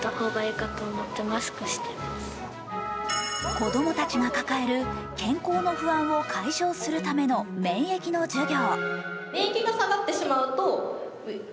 子供たちが抱える健康の不安を解消するための免疫の授業。